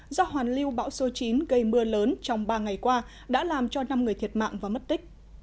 do hoàn lưu bão số chín gây mưa lớn trong ba ngày qua đã làm cho năm người thiệt mạng và mất tích